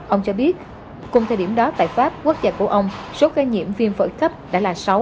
ông cho biết cùng thời điểm đó tại pháp quốc gia của ông số ca nhiễm viêm phổi cấp đã là sáu